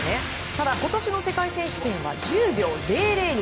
ただ、今年の世界選手権は１０秒００に。